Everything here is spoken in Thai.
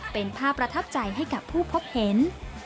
เป็นภาพประทับใจให้กับผู้พบเห็น